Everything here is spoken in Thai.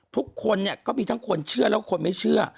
ทุกคนเนี่ยก็มีทั้งคนเชื่อแล้วคนไม่เชื่อ